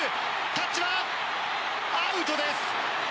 タッチはアウトです！